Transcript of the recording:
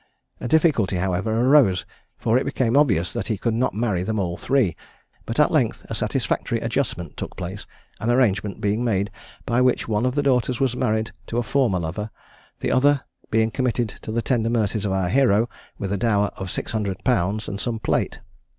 A difficulty, however, arose, for it became obvious that he could not marry them all three; but at length a satisfactory adjustment took place, an arrangement being made, by which one of the daughters was married to a former lover, the other being committed to the tender mercies of our hero, with a dower of 600_l._ and some plate.